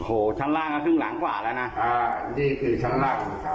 โอ้โหชั้นล่างมันขึ้นหลังกว่าแล้วนะอ่านี่คือชั้นล่างครับ